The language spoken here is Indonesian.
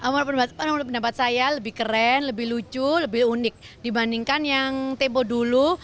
menurut pendapat saya lebih keren lebih lucu lebih unik dibandingkan yang tempo dulu